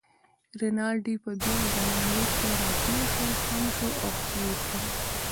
رینالډي په بېړه زما لور ته راتېر شو، خم شو او ښکل يې کړم.